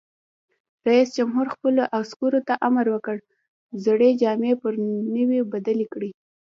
رئیس جمهور خپلو عسکرو ته امر وکړ؛ زړې جامې پر نوو بدلې کړئ!